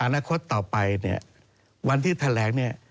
อนาคตต่อไปเนี่ยวันที่แถลงเนี่ย